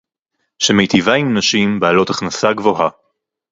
שמיטיבה עם נשים בעלות הכנסה גבוהה